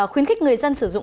khuyến khích người dân sử dụng